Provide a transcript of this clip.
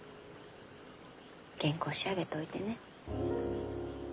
原稿仕上げておいてね。